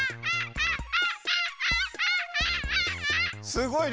すごいね。